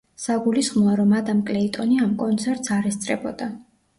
საგულისხმოა, რომ ადამ კლეიტონი ამ კონცერტს არ ესწრებოდა.